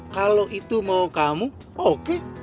kalau itu mau kamu oke